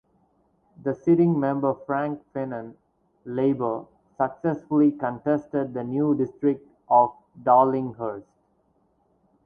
The sitting member Frank Finnan (Labor) successfully contested the new district of Darlinghurst.